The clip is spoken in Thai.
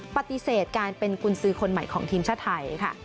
ปฏิเสธการเป็นกุญสือคนใหม่ของทีมชาติไทยค่ะ